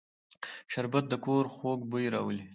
شربت د کور خوږ بوی راولي